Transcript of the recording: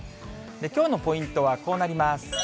きょうのポイントはこうなります。